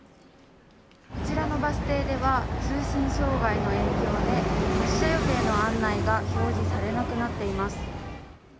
こちらのバス停では通信障害の影響で発車予定の案内が表示されなくなっています。